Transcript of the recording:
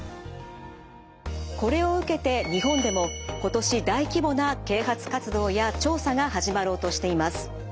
これを受けて日本でも今年大規模な啓発活動や調査が始まろうとしています。